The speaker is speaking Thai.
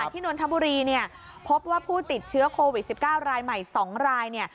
นนทบุรีเนี่ยพบว่าผู้ติดเชื้อโควิด๑๙รายใหม่๒ราย